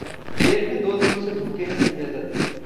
jail में दो दिनों से भूखे हैं संजय दत्त